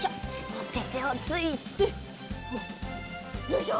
こうやっててをついてよいしょ。